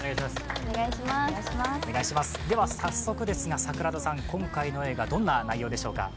早速ですが桜田さん、今回の映画どんな内容でしょうか？